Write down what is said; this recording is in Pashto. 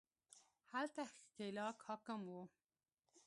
هلته ښکېلاک حاکم وو